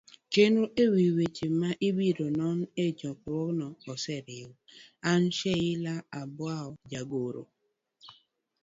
chenro e wi weche ma ibiro non e chokruogno oseriw. an, Sheila Abwao jagoro